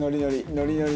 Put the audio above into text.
ノリノリ。